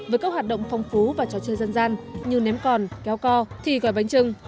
với các hoạt động phong phú và trò chơi dân gian như ném còn kéo co thì gói bánh trưng